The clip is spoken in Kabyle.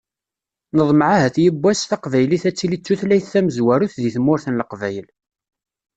Neḍmeɛ ahat yiwwas, taqbaylit ad tili d tutlayt tamezwarut deg tmurt n Leqbayel.